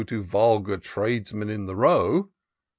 To vulgar tradesmen in the Row.